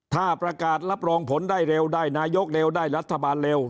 ถ้าประกาศรับรองผลได้เร็วได้นายกเร็วได้รัฐบาลเร็ว